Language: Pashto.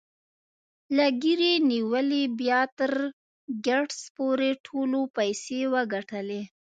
له ګيري نيولې بيا تر ګيټس پورې ټولو پيسې وګټلې.